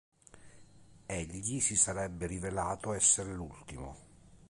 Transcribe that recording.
Egli si sarebbe rivelato essere l'ultimo.